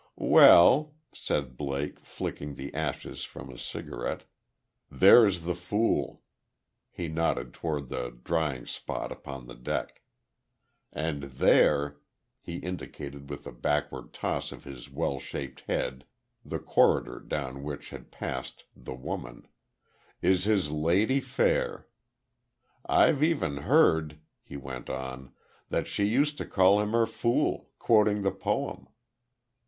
"Well," said Blake, flicking the ashes from his cigarette, "there's the fool," he nodded toward the drying spot upon the deck. "And there," he indicated, with a backward toss of his well shaped head, the corridor down which had passed the woman, "is his lady fair. I've even heard," he went on, "that she used to call him her 'fool,' quoting the poem.